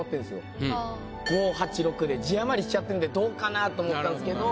５・８・６で字余りしちゃってるんでどうかなと思ったんですけど。